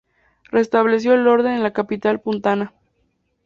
Restableció el orden en la capital puntana.